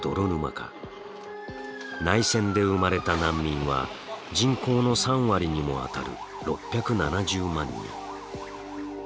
内戦で生まれた難民は人口の３割にもあたる６７０万人。